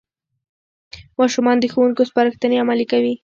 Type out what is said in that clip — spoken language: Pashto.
ماشومان د ښوونکو سپارښتنې عملي کوي